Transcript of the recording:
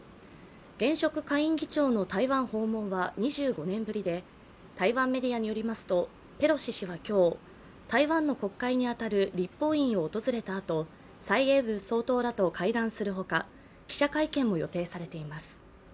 現職下院議長の台湾訪問は２５年ぶりで、台湾メディアによりますとペロシ氏は今日、台湾の国会に当たる立法院を訪れたあと蔡英文総統らと会談するほか記者会見も予定されています。